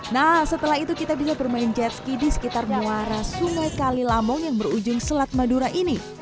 nah setelah itu kita bisa bermain jet ski di sekitar muara sungai kalilamong yang berujung selat madura ini